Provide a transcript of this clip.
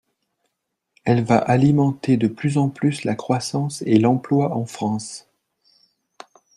Elle va alimenter de plus en plus la croissance et l’emploi en France.